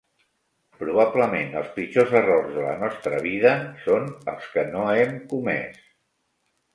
Probablement els pitjors errors de la nostra vida són els que no hem comès.